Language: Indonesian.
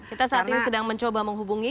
kita saat ini sedang mencoba menghubungi